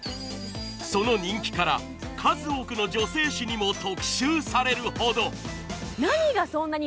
その人気から数多くの女性誌にも特集されるほど。